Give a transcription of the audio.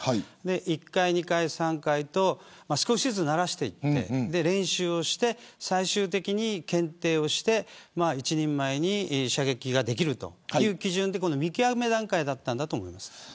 １回、２回、３回と少しずつ慣らしていって練習をして最終的に検定をして一人前に射撃ができるという基準で見極め段階だったんだと思います。